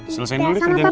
selesain dulu kerjaan kamu